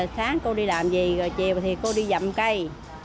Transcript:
sáng cô đi làm gì rồi chiều thì cô đi dặm cây